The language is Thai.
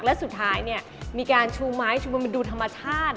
และสุดท้ายมีการชูไม้ชูมือดูธรรมชาติ